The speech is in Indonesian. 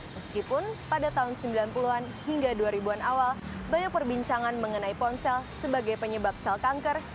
meskipun pada tahun sembilan puluh an hingga dua ribu an awal banyak perbincangan mengenai ponsel sebagai penyebab sel kanker